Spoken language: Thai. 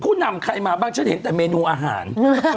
นำใครมาบ้างฉันเห็นแต่เมนูอาหาร